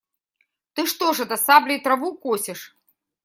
Ты что ж это, саблей траву косишь?